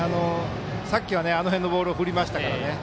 さっきはあの辺のボールを振りましたから。